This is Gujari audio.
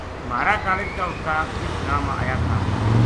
مھارا کالج کا استاد اِس گراں ما آیا تھا